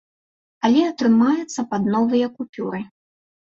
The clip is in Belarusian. Але атрымаецца пад новыя купюры.